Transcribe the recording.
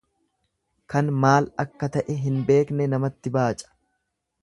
Kan maal akka ta'e hin beekne namatti baaca.